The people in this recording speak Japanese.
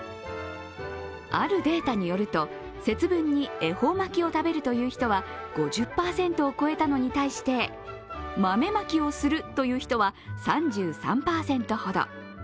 あるデータによると、節分に恵方巻きを食べるという人は５０％を超えたのに対して、豆まきをするという人は３３％ほど。